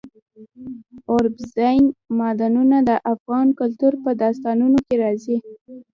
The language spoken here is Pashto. اوبزین معدنونه د افغان کلتور په داستانونو کې راځي.